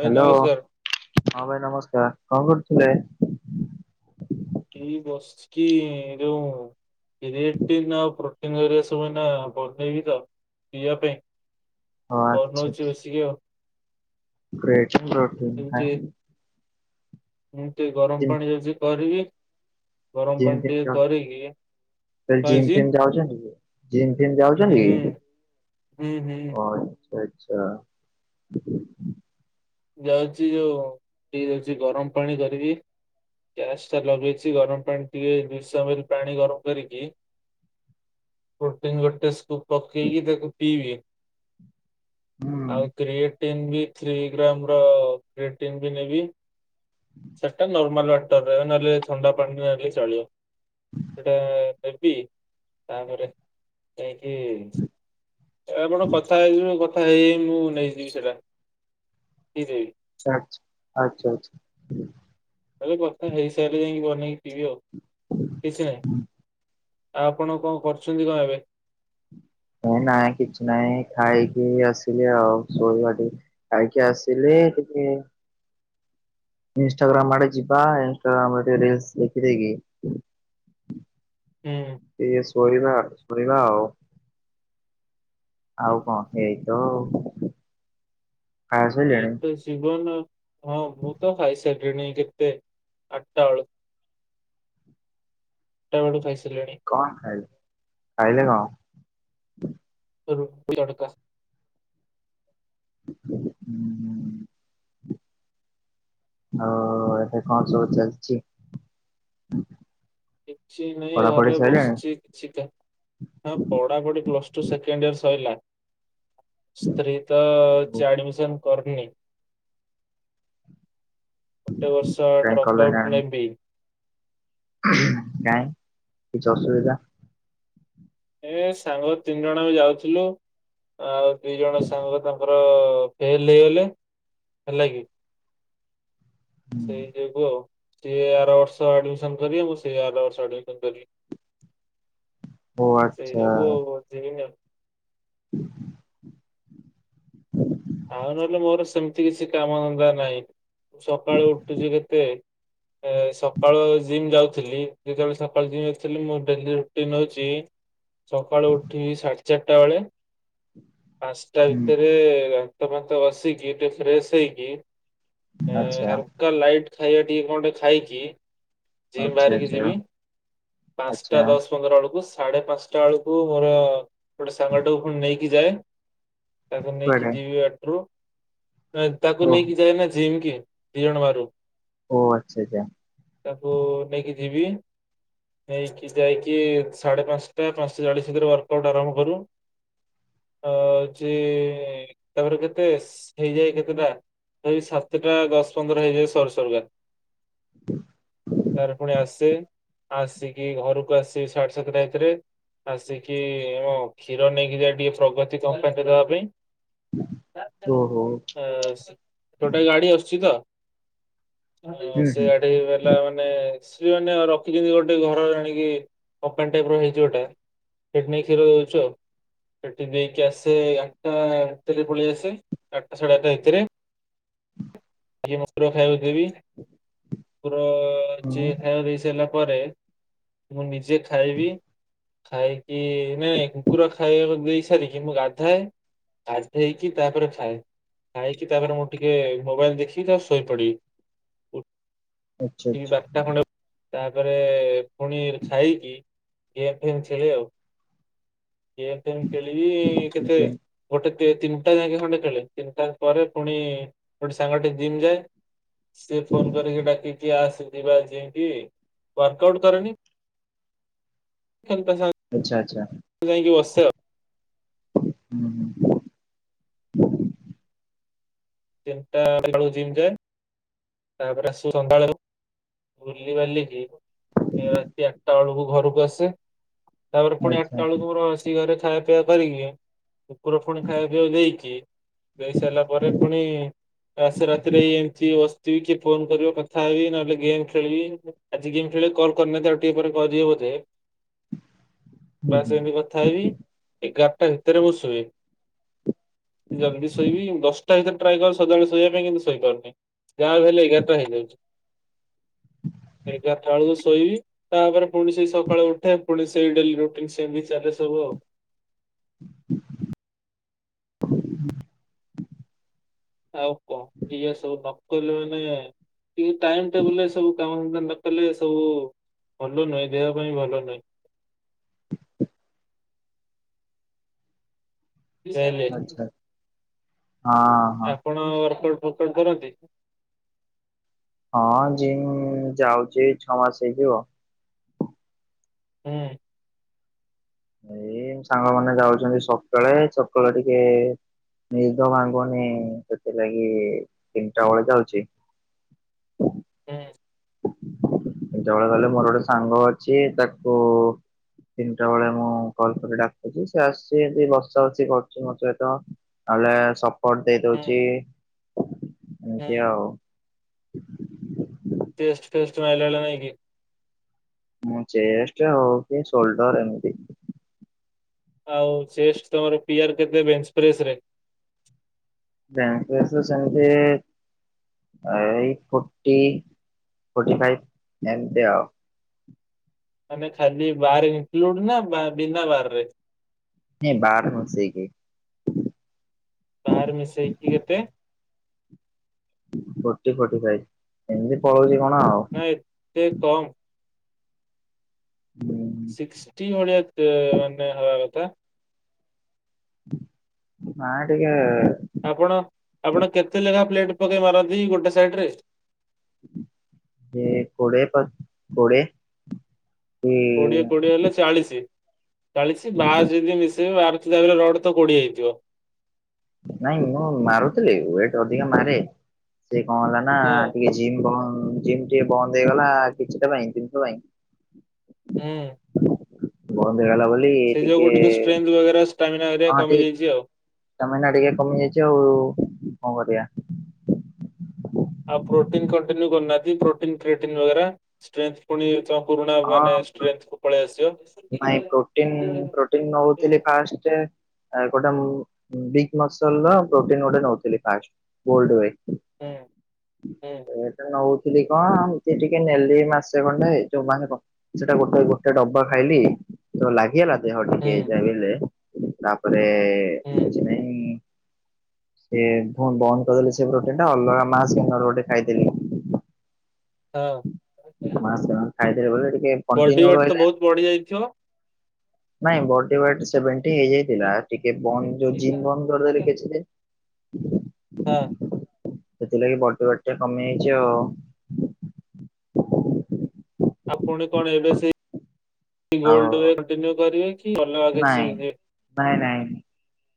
ଭାଇ ହାଲୋ, ନମସ୍କାର ହଁ ଭାଇ ନମସ୍କାର୍। କଣ କରୁଥିଲେ? ଏଇ ବସିକି ଏ ଯୋ ରେଟିନ୍ ଆଉ ପୋ- ପ୍ରୋଟିନ କରିବା ସବୁଦିନ ବନେଇବି ତ ପିଇବା ପାଇଁ। ହଁ ବନଉଚି ବସିକି ଆଉ। [unintelligible] ପ୍ରୋଟିନ ଏମିତି ହେଁ। ମୁଁ ଟିକେ ଗରମ ଜିମ୍ ପାଣି ଯାଉଛି କରିବି। ଗରମ ଜିମ ପାଣି ଫିମ୍ ଟିକେ କରିକି ତ କଣ ଜିମ ହେଇଛି ଫିମ୍ ଯାଉଛନ୍ତି କି? ଜିମ୍ ଫିମ ହୁଁ ଯାଉଛନ୍ତି କି ହୁଁ ହୁଁ ଓ ଆଛା। ଯାଉଛି ଯୋଉ ଦି ଡେକିଚି ଗରମ ପାଣି କରିବି। ଗ୍ୟାସ୍ ଟା ଲଗେଇଛି ଗରମ ପାଣି ଟିକେ ଦୁଇଶ ଏମେଲ ପାଣି ଗରମ କରିକି ପ୍ରୋଟିନ୍ ଗୋଟେ ସ୍କୋପ୍ ପକେଇକି ତାକୁ ପିଇବି। ହୁଁ ଆଉ କ୍ରିଏଟିନ୍ ବି ଥ୍ରୀ ଗ୍ରାମର୍ ର୍ବ୍ରିଟିଙ୍ଗ୍ ବି ନେବି ସେଟା ନର୍ମାଲ ଅଟେ। ନହେଲେ ଥଣ୍ଡା ପାଣି ନହଲେ ଚଳିବ। ସେଟା ନେବି ତାପରେ ଯାଇଁକି ଆପଣ କଥା ହେଇ କଥା ହେଇଯାଇ ମୁଁ ନେଇଯିବି ସେଇଟା ହେଇଯିବି ଆଛା ଆଚ୍ଛା ଆଚ୍ଛା। ଏବେ ଗୋଟେ ହେଇ ସାରିଲେ ହିଁ ବନେଇକି ପିଇବି ଆଉ କିଛି ନାହିଁ। ଆଉ ଆପଣ କଣ କରୁଛନ୍ତି ଗାଁରେ ନାଇଁ କିଛି ନାହିଁ ଖାଇକି ଆସିଲି ଆଉ ଶୋଇବା ଟିକେ। ଖାଇକି ଆସିଲି ତାପରେ ଇଷ୍ଟଟାଗ୍ରାମ ଆଡେ ଯିବା ଇଷ୍ଟାଗ୍ରାମ ରେ ଟିକେ ରିଲସ ଦେଖିଦେଇକି ହୁଁ। ଟିକେ ଶୋଇବା ଶୁଣିବା ଆଉ। ଆଉ କଣ ଏଇ ତ। ଖାଇ ଏଇ ସାଇଲେଣି ତ ଜୀବନ ହଁ ମୁଁ ତ ଖାଇସାରିଲିଣି କେତେ ଆଠଟା ଆଳୁ ଆଠଟାଆଳୁ ଖାଇ ସରିଲିଣି? କଣ ଖାଇଲେ ଖାଇଲେ କଣ? ରୁଟି ତଡ଼କା। ହୁଁ। ହଉ ଏବେ କଣ ସବୁ ଚାଲିଛି? କିଛି ନାହିଁ ପଢାପଢି ଘରେ ସରିଲାଣି? ବସିଛି କିଛି କା ହଁ ପଢା ପଢ଼ି ପ୍ଲସ ଟୁ ସେକେଣ୍ଡ ଇୟର ସରିଲା। ସ୍ତ୍ରୀ ଟା ଓ କିଛି ଆଡମିସନ କରନି। ଗୋଟେ ବର୍ଷ କାଇଁ ଡ୍ରପ କଲନି ଆଉଟ୍ ଆଡମି ନେବି। କାଇଁ କିଛି ଅସୁବିଧା? ଏ ସାଙ୍ଗ ତିନି ଜଣ ଯାଇଥିଲୁ ଆଉ ଦି ଜଣ ସାଙ୍ଗ ତାଙ୍କର ଏ ଫେଲ୍‌ ହେଇଗଲେ ହେଲା କି ହୁଁ। ସେଇ ଯୁଗୁଁ ଆଉ ସିଏ ଆର ବର୍ଷ ଆଡମିସନ କରିବେ ମୁଁ ସେ ଆର ବର୍ଷ ଆଡମିନ କରିବି। ଓ ସେଇ ଆଚ୍ଛା ଯୋଗୁ ଯିବିନି। ହଁ ହଁ ଆଉ ନହେଲେ ମୋର ସେମିତି କିଛି କାମ ଧନ୍ଦା ନାହିଁ ସକାଳୁ ଉଠୁଛି କେତେ ଏ ସକାଳ ଜିମ୍ ଯାଉଥିଲି ଯେତେବେଳେ ସକାଳ ଜିମ୍ ଯାଉଥିଲି ମୋ ଡେଲି ରୁଟିନ ହଉଛି ସକାଳୁ ଉଠି ସାଢେ ଚାରିଟା ବେଳେ ପାଞ୍ଚଟା ହୁଁ ଭିତରେ ଦାନ୍ତ ଫାତ ଘସିକି ଟିକେ ଫ୍ରେଶ ହେଇକି ଏ ଆଚ୍ଛା ହାଲକା ଲାଇଟ୍ ଖାଇବା ଟିକେ କଣ ଟେ ଖାଇକି ଜି ଆଚ୍ଛା ବାହାରିକି ଆଚ୍ଛା ଯିବି ଆଚ୍ଛା ପାଞ୍ଚଟା ଦଶ ପନ୍ଦର ବେଳକୁ ସାଢେ ପାଞ୍ଚଟା ବେଳକୁ ମୋର ଗୋଟେ ସାଙ୍ଗ ଟାକୁ ପୁଣି ନେଇକି ଯାଏ। ତାକୁ ନେଇକି କୁଆଡେ ଯିବି ବାଟରୁ ତାକୁ ଓ ନେଇକି ଯାଏନା ଜିମ୍ କି? ଦି ଜଣ ବାହାରୁ [inaudible] ତାକୁ ନେଇକି ଯିବି। ନେଇକି ଯାଇକି, ସାଡ଼େ ପାନ୍ସଟା ପାନ୍ସାଟା ଚାଳିଶ୍ ଭିତରେ ଆରମ୍ଭ କ ତା'ପରେ କେତେ ହେଇଯାଏ କେତେଟା। ସାତ୍‌ଟା ଦଶ୍ ପନ୍ଦର୍ ହେଇଯାଏ, ସରୁ ସରୁ ତା ରେ ପୁଣି ଆସେ, ଆସିକି ଘରୁକୁ ଆସେ ସାଡ଼େ ସାତ ଆସିକି କ୍ଷୀର ନେଇକି ଯାଏ, ଟିକେ ପ୍ରଗତି କମ୍ପାନୀ ଦେବା ପାଇଁ। ଓହୋ [inaudible] [unintelligible] ଟାଇପ୍ ର ହୁଁ ହୁଁ ହେଇଚି ଗୋଟେ, ସେ ନେଇକି କ୍ଷୀର ଦଉଚୁ ଆଉ। ସେଠି ଦେଇକି ଆସେ ଆ-ଟା ଭିତରେ ପଳେଇ ଆସେ, ଆଟା ସାଢ଼େ ଆ--ଟା ଭି--ରେ। ହୁଁ [inaudible] ମୁଁ ନିଜେ ଖାଇବି। ଖାଇକି କୁକୁର ଖାଇବାକୁ ଦେଇ ସାରିକି ମୁଁ ଗାଧାଏ। ଗାଧେଇକି ତା'ପରେ ଖାଏ, ଖାଇକି ତାପରେ ମୁଁ ଟିକେ ମୋବାଇଲ୍‌ ଦେଖି--ତା'--ରେ ଶୋଇ ପଡ଼ିବି। ଆଚ୍ଛା ତା'ପରେ ପୁଣି ଖାଇକି ଗେମ୍ ଫେମ୍ ଖେଳେ ଆଉ। ଗେମ୍ ଫେମ୍ ଖେଳିବି କେତେ। ଆଚ୍ଛା ଗୋଟେ ତିନ୍‌ଟା----ଖଣ୍ଡେ ଖେ ତିନିଟା ପରେ ପୁଣି ଗୋଟେ ସାଙ୍ଗଟେ ଜିମ୍ ଯାଏ। ଫୋନ୍ କରିକି ଡ଼ାକି [inaudible] [inaudible] [inaudible] ହୁଁ [inaudible] ବୁଲି ବାଲିକି ରାତି ଆ--ଟା ବଳକୁ ଘରୁକୁ ଆସେ। ତା'ପରେ ପୁଣି ଆ--ଟା ଆଚ୍ଛା ବଳକୁ ମୋର ଖାଇବା ପିଇବା କରିକି ଣି ଖାଇବା ପିଇବା କୁ ଦେଇକି ଦେଇ ସା ପରେ ପୁଣି ଆସେ ରାତି ରେ ଫୋନ୍‌ କରିବ କଥା ହେବି, ନହେଲେ ଗେ ଖେଳିବି, ଆଜି ଗେମ୍ ଆଉ ଟିକେ ପରେ କରିବେ ବୋଧେ। ହୁଁ କଥା ହୁଁ ହେବି, ଏଗାର୍ ଟା ଭିତରେ ମୁଁ ସୁଏ। ଜଲ୍ଦି ଶୋଇବି, ଦଶ୍ ଟା ଭିତରେ ଟ୍ରାଏ ସଦାବେଳେ ଶୋଇବା ପାଇଁ କିନ୍ତୁ ଶୋଇ ପାରୁନି। ଯା ହେଲେ ଏଗାରେ ଟା ହେଇଯାଉଚି। ଏଗାର୍ ଟା ଳକୁ ଶୋଇବି। ତା'ପରେ ପୁଣି ସେଇ ସକାଳେୁ ଉଠେ, ପୁଣି ସେଇ ଡ଼େଲି ରୁଟିନ୍‌ ଚାଲେ ସବୁ ଆଉ। ହ [inaudible] ହେଲେ ସବୁ ଭଲ ନାହିଁ ଦେହ ପାଇଁ ଭଲ ନାହିଁ। ହେଲେ [inaudible] ଆପଣ କରନ୍ତି। ହଁ ଯାଉଚି ଛଅ ମାସ୍ ହେଇଯିବ। [inaudible] ଏଇ ସାଙ୍ଗ ମାନେ ଯାଉଚନ୍ତି ସକାଳେ, ସକାଳେ ଟିକେ ନିଦ ଭାଙ୍ଗୁନି, ସେଥି ତିନ୍‌ଟା ବଳେ ଯାଉଚି। [inaudible] ବଳେ ଗଲେ, ମୋର ଗୋଟେ ସାଙ୍ଗ ଅଛି ତାକୁ [inaudible] ସପଟ୍ ଦେଇ ହୁଁ ଦଉଚି ହୁଁ ଆଉ। [inaudible] ମୁଁ ଚେଷ୍ଟେ ହଉକି ସୋଲ୍‌ଡ଼ର୍ ଏମ୍ତି ଆଉ ଚେଷ୍ଟ ତମର ପି ଆର କେତେ ବେଞ୍ଚ ପ୍ରେସରେ? [unintelligible] ସେମତି ଏଇ ଫର୍ଟି ଫଟି ଫାଇପ୍ ଏମତି ଆଉ। ମାନେ ଖାଲି ବାର ଇନକ୍ଲୁଡ ନା ବିନା ବାର ରେ? ନାଇଁ ବାର୍ ମିଶେଇକି। ବାର୍ ମିଶେଇକି କେତେ? Forty forty five. ଏମିତି ପଳଉଛି କଣ ଆଉ। ମାନେ ଏତେ କମ୍। [unintelligible] ସିକ୍ସଟି ଭଳିଆ ଟେ ଆମେ ହବା କଥା। ନା ଟିକେ ଆପଣ ଆପଣ କେତେ ଲେଖା ପ୍ଲେଟ ପକେଇ ମାରନ୍ତି ଗୋଟେ ସାଇଟ ରେ? ଏ କୋଡ଼ିଏ ପ କୋଡ଼ିଏ। କୋଡିଏ କୋଡିଏ ହେଲେ ଚାଳିଶ। ଚାଳିଶ ଲାର୍ଜ ଯଦି ମିଶ ବାର୍ ଥିଲା ବେଳେ ରଡ ତ କୋଡିଏ ହେଇଥିବ। ନାଇଁ ମୁଁ ମାରୁଥିଲି ୱେଟ ଅଧିକା ମାରେ। ସେ କଣ ହେଲା ନା ହଁ ଟିକେ ଜିମ୍ କଣ ଜିମ୍ ଟିକେ ବନ୍ଦ ହେଇଗଲା କିଛିଟା ପାଇଁ ଜିନିଷ ପାଇଁ। ହୁଁ। ବନ୍ଦ ହେଇଗଲା ବୋଲି ସେଇ ଯୋଗୁକୁ ଟିକେ ଷ୍ଟ୍ରେନ୍ଥ ବଗେରା ଷ୍ଟାମିନା ହଁ ହେରିକା ଟିକେ କମିଯାଇଛି ଆଉ। ଷ୍ଟାମିନା ଟିକେ କମିଯାଇଚି ଆଉ କଣ କରିବା। ଆଉ ପ୍ରୋଟିନ୍ କଣ୍ଟିନ୍ୟୁ କରନାହାନ୍ତି ପ୍ରୋଟିନ୍ କ୍ରିଏଟିନ ବଗେରା। ଷ୍ଟ୍ରେନ୍ଥ ପୁଣି ତମ ପୁରୁଣା ହଁ ମାନେ ଷ୍ଟ୍ରେନ୍ଥ କୁ ପଳେଇ ନାଇଁ ପ୍ରୋଟିନ୍ ଆସିବ। ପ୍ରୋଟିନ୍ ନଉଥିଲି ଫାଷ୍ଟ ଗୋଟେ ୱିକ୍ ମସଲର ପ୍ରୋଟିନ ଗୋଟେ ନଉଥିଲି ଫାଷ୍ଟ। ଗୋଡ ୱେ। ହୁଁ ହେଟା ନଉଥିଲି କଣ ଏମତି ଟିକେ ନେଲି ମାସେ ଖଣ୍ଡେ ଯୋଉମାନେ କଣ ସେଟା ଗୋଟେ ଗୋଟେ ଡବା ଖାଇଲି ତ ଲାଗିଗଲା ଦେହ ଟିକେ ଯାହା ବି ହେଲେ। ତାପରେ ହୁଁ କିଛି ନାଇଁ ସେ ପୁଣି ବନ୍ଦ କରିଦେଲେ ସେ ପ୍ରୋଟିନ ଟା ଅଲଗା ମାସ ଗେନର ଗୋଟେ ଖାଇଦେଲି। ହଁ। ମାସ ଗେନର ଖାଇଦେଲେ ବୋଲି ଟିକେ ବଡି କଣ୍ଟିନ୍ୟୁ ୱେଟ ତ ରହିଲା। ବହୁତ ବଢି ଯାଇଥିବ। ନାଇଁ ବଡି ୱେଟ୍ ସେଭେନଟି ହେଇଯାଇଥିଲା। ଟିକେ ବନ୍ଦ ଯୋଉ ଜିନ୍ ବନ୍ଦ କରିଦେଲେ କିଛି ଦିନ୍। ହଁ। ସେଥିଲାଗି ବଟି ୱେଟ୍ ଟିକେ କମିଯାଇଚି ଆଉ। ଆଉ ପୁଣି କଣ ଏବେ ସେ ଗୋଲ୍ଡ ଆଉ ୱେ କଣ୍ଟିନିଉ କରିବେ କି ଅଲଗା କିଛି ନାଇଁ ନାଇଁ ନାଇଁ।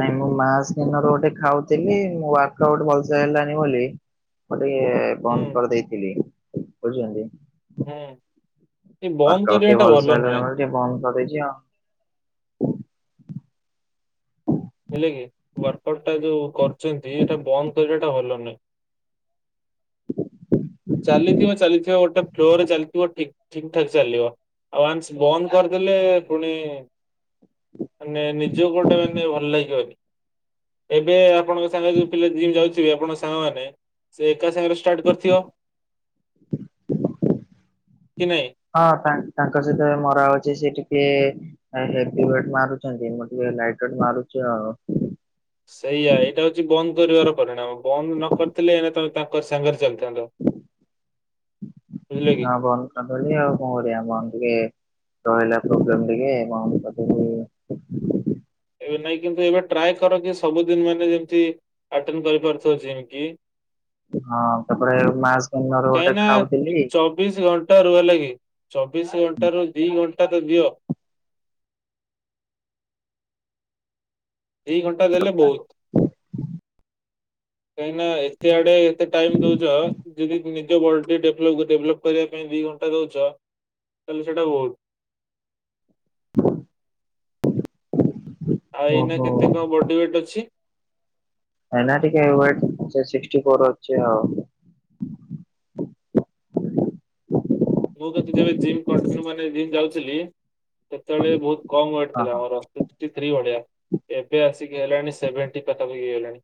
ନାଇଁ ମୁଁ ମାସ୍ ଗେନର ଗୋଟେ ଖାଉଥିଲି ମୁଁ ୱାର୍କ ଆଉଟ ଭଲସେ ହେଲାନି ବୋଲି ମୁଁ ଟିକେ ହୁଁ। ବନ୍ଦ କରିଦେଇଥିଲି ବୁଝିପାରିଲେ। ହୁଁ। ନାଇଁ ବନ୍ଦ ଆଉଟ ଟିକେ କରିବା ଟା ଭଲସେ ଭଲ ହେଲାନି ନୁହେଁ। ବୋଲି ଟିକେ ବନ୍ଦ କରି ଦେଇଛି ଆଉ। ହେଲେ କି ୱାର୍କଆଉଟ୍ ଟା ଯୋଉ କରୁଛନ୍ତି ଏଟା ବନ୍ଦ କରିବା ଟା ଭଲ ନୁହେଁ। ଚାଲିଥିବ ଚାଲିଥିବ ଗୋଟେ ଫ୍ଲୋ ରେ ଚାଲିଥିବ ଠିକ୍ ଠିକ୍ ଠାକ୍ ଚାଲିବ। ଆଉ ୱାନ୍ସ ବନ୍ଦ କରିଦେଲେ ପୁଣି ମାନେ ନିଜକୁ ଗୋଟେ ଏନ୍ତି ଭଲ ଲାଗିବ କି। ଏବେ ଆପଣଙ୍କ ସାଙ୍ଗରେ ଯୋଉ ପିଲା ଯିିମ୍ ଯାଉଥିବେ ଆପଣଙ୍କ ସାଙ୍ଗମାନେ ସେ ଏକା ସାଙ୍ଗରେ ଷ୍ଟାର୍ଟ କରିଥିବ। କି ନାଇଁ? ହଁ ତା ତାଙ୍କ ସହିତ ଏବେ ମରାହେଉଚି ସେ। [unintelligible] ହେ ହେବି ୱେଟ୍ ମାରୁଛନ୍ତି ମୁଁ ଟିକେ ଲାଇଟୱେଟ୍ ମାରୁଚି ଆଉ। ସେଇଆ ଏଇଟା ହଉଛି ବନ୍ଦ କରିବାର ପରିଣାମ। ବନ୍ଦ ନ କରିଥିଲେ ଏଇନା ତ ତାଙ୍କ ସାଙ୍ଗରେ ଚାଲିଥାନ୍ତ। ବୁଝିଲେ କି? ହଁ ବନ୍ଦ କରିଦେଲି ଆଉ। କଣ କରିବା ବନ୍ଦ ଟିକେ ରହିଲା ପ୍ରୋଗ୍ରାମ ଟିକେ ବନ୍ଦ କରଦେଲି। ଏବେ ନାଇଁ କିନ୍ତୁ ଏବେ ଟ୍ରାଏ କର କି ସବୁଦିନ ମାନେ ଯେମତୀ ଅଟେନ କରିପାରୁଥିବ ଜିମ୍ କି। ହଁ ତାପରେ ମାସଗେନାର ଗୋଟେ ଖାଉଥିଲି। ପ୍ଳିସ ଘଣ୍ଟାରୁ ହେଲାକି ଚବିଶ ଘଣ୍ଟାରୁ ଦି ଘଣ୍ଟା ତ ଦିଅ। ଦି ଘଣ୍ଟା ଦେଲେ ବହୁତ। କାହିଁକି ନା ଏତେ ଆଡେ ଏତେ ଟାଇମ ଦଉଛ। ଯଦି ନିଜ ବଡିଟି ଡେବ-ଡେଭଲପ କରିବା ପାଇଁ ଦି ଘଣ୍ଟା ଦଉଛ ତାହେଲେ ସେଇଟା ବହୁତ। [inaudible] ଆଉ ଏଇନା ଓହୋ କେତେ କଣ ବଡି ୱେଟ୍ ଅଛି। ନାଇଁନା ଟିକେ ୱେଟ୍ ସେ ସିକ୍ଟିଫର୍ ଅଛି ଆଉ। ମୁଁ କତୁ ଯେବେ ଜିମ କଣ୍ଟିନ୍ୟୁ ମାନେ ଜିମ ଯାଉଥିଲି। ସେତେବେଳେ ବହୁତ କମ ୱେଟ ଥିଲା ମୋର। ଫିଫ୍ଟି ଥ୍ରୀ ବଡିଆ। ଏବେ ଆସିକି ହେଲାଣି ସେଭେଣ୍ଟି ପାଖାପାଖି ହେଇ ଗଲାଣି।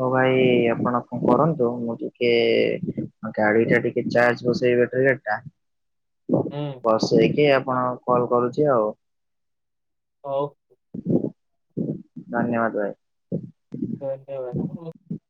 ହଁ ଭାଇ ଆପଣ କଣ କରନ୍ତୁ ମୁଁ ଟିକେ ଗାଡି ଟା ଟିକେ ଚାର୍ଜ ବସେଇ ବେଟ୍ରି ଗାଡି ଟା। ହୁଁ। ବସେଇକି ଆପଣ କଲ କରୁଛି ଆଉ। ହଉ। ଧନ୍ୟବାଦ ଭାଇ। ଧନ୍ୟବାଦ।